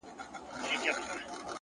مهرباني د اړیکو واټن لنډوي,